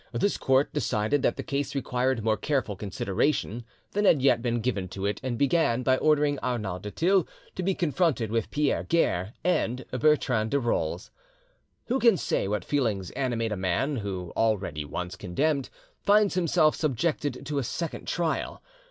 This court decided that the case required more careful consideration than had yet been given to it, and began by ordering Arnauld du Thill to be confronted with Pierre Guerre and Bertrande de Rolls. Who can say what feelings animate a man who, already once condemned, finds himself subjected to a second trial?